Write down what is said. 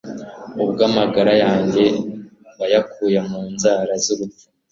Ubwo amagara yanjye wayakuye mu nzara z’urupfu